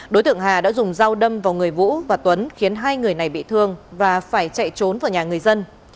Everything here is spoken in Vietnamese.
đối tượng hà đã dùng dao đâm vào người vũ và tuấn khiến hai người này bị thương và phải chạy trốn vào nhà người dân